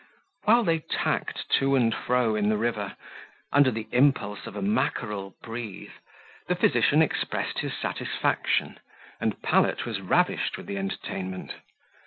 While they tacked to and fro in the river, under the impulse of a mackerel breeze, the physician expressed his satisfaction, and Pallet was ravished with the entertainment.